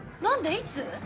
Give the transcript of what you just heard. いつ？